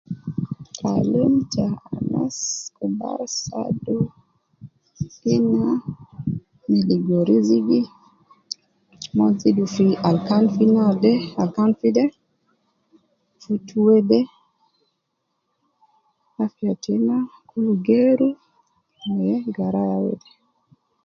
Taalim ta anas kubar saadu ina me ligo rizigi, mon zidu fi alkan fi naade, alkan fi de, futu weede, afiya tena kul geeru me garaya weede